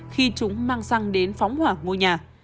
khi chúng mang sang đến phóng hoảng ngôi nhà